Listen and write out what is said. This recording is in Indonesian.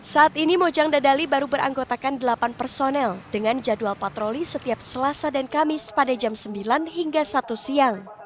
saat ini mojang dadali baru beranggotakan delapan personel dengan jadwal patroli setiap selasa dan kamis pada jam sembilan hingga satu siang